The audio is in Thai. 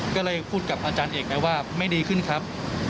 ก็เลยพูดกับอาจารย์เอกได้ว่าไม่ดีขึ้นครับ